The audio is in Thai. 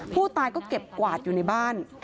ผู้ตายก็เก็บกวาดอยู่ในบ้าน